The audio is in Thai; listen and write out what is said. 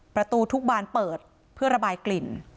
ประตูทุกบานเปิดเพื่อระบายกลิ่น